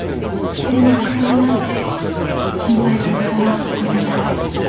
「急に手紙なんて心配させたらごめんなさい。